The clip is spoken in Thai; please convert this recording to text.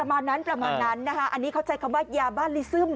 ประมาณนั้นนะคะอันนี้เข้าใจคำว่ายาบ้าลิซึม